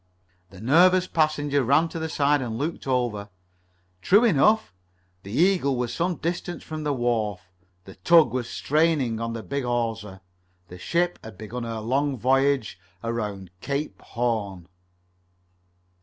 The nervous passenger ran to the side and looked over. True enough, the Eagle was some distance from the wharf. The tug was straining on the big hawser. The ship had begun her long voyage around Cape Horn.